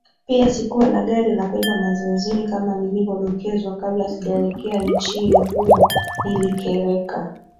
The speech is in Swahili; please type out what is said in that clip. pia sikuwa na gari la kwenda mazoezini kama nilivyodokezwa kabla sijaelekea nchini humoNilikereka